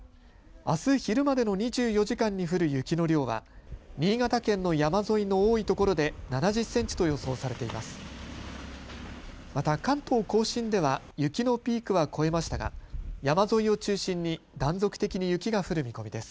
あす昼までの２４時間に降る雪の量は新潟県の山沿いの多いところで７０センチと予想されています。